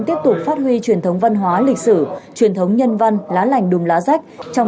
tiếp tục phát huy truyền thống văn hóa lịch sử truyền thống nhân văn lá lành đùm lá rách trong